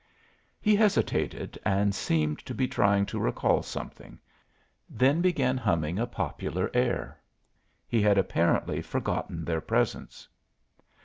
He hesitated and seemed to be trying to recall something, then began humming a popular air. He had apparently forgotten their presence.